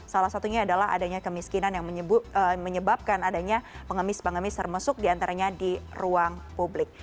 salah satunya adalah adanya kemiskinan yang menyebabkan adanya pengemis pengemis termesuk diantaranya di ruang publik